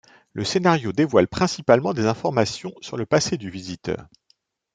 Le scénario dévoile principalement des informations sur le passé du Visiteur.